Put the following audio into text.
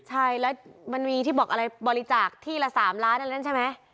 ใช่แล้วมันมีที่บอกอะไรบริจาคที่ละ๓ล้านอันนั้นใช่ไหม